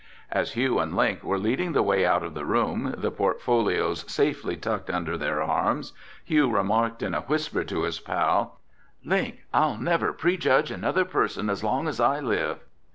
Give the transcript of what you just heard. As Hugh and Link were leading the way out of the room, the portfolios safely tucked under their arms, Hugh remarked in a whisper to his pal, "Link, I'll never prejudge another person as long as I live."